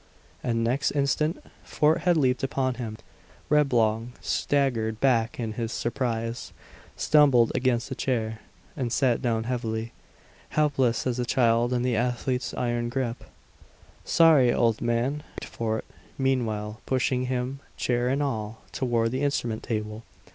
And next instant Fort had leaped upon him. Reblong staggered back in his surprise, stumbled against a chair, and sat down heavily, helpless as a child in the athlete's iron grip. "Sorry, old man," remarked Fort, meanwhile pushing him, chair and all, toward the instrument table.